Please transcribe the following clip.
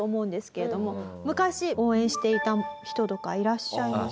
けれでも昔応援していた人とかいらっしゃいます？